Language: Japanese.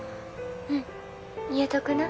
うん言うとくな。